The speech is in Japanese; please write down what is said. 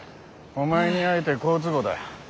お前に会えて好都合だ。